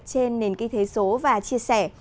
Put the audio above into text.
trên nền kinh tế số và chia sẻ